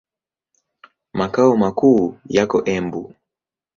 Makao makuu yako Embu.